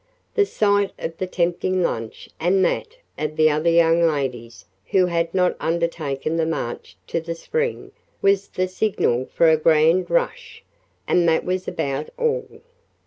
The sight of the tempting lunch and that of the other young ladies who had not undertaken the march to the spring, was the signal for a "grand rush" and that was about all.